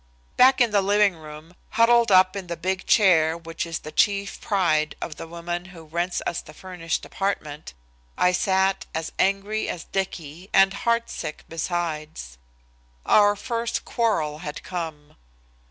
Back in the living room, huddled up in the big chair which is the chief pride of the woman who rents us the furnished apartment, I sat, as angry as Dicky, and heartsick besides. Our first quarrel had come!